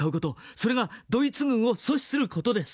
それがドイツ軍を阻止する事です。